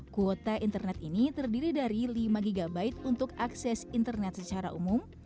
kuota internet ini terdiri dari lima gb untuk akses internet secara umum